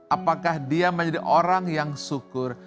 apakah dia menjadi orang yang syukur